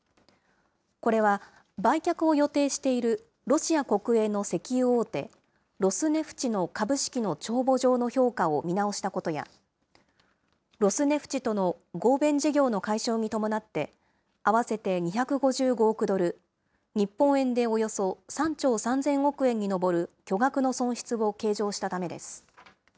これは、売却を予定しているロシア国営の石油大手、ロスネフチの株式の帳簿上の評価を見直したことや、ロスネフチとの合弁事業の解消に伴って、合わせて２５５億ドル、日本円でおよそ３兆３０００億円に上る巨額の損失を計上したためです。